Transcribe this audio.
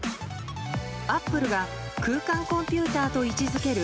アップルが空間コンピューターと位置付ける